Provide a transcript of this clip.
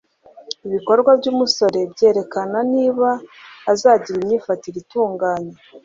ibikorwa by'umusore byerekana niba azagira imyifatire itunganye.